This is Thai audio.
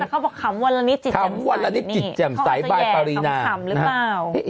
แต่เขาบอกคำว่าละนี้จิตแจ่มใสคอจะแยกคำคำหรือเปล่า